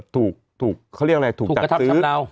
ถูกกระทับฉับดาว